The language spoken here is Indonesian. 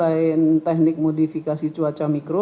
selain teknik modifikasi cuaca mikro